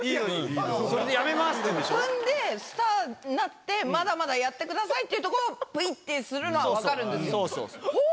踏んでスターになって「まだまだやってください」っていうとこをプイってするのは分かるんですよ。